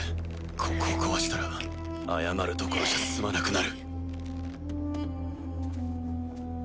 ここを壊したら謝るどころじゃ済まなくなる。